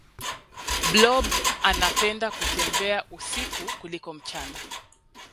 blob anapenda kutembea usiku kuliko mchana